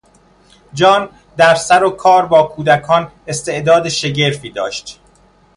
جان در سر و کار با کودکان استعداد شگرفی داشت.